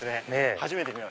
初めて見ました。